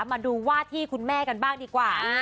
มาดูว่าที่คุณแม่กันบ้างดีกว่า